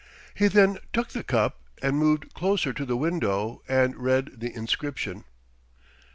He then took the cup and moved closer to the window and read the inscription.